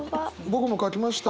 僕も書きました。